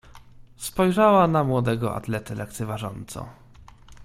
"Spojrzała na młodego atletę lekceważąco."